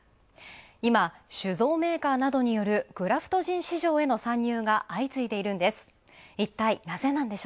今酒造メーカーによるクラフトジン市場への参入が相次いでいるんです。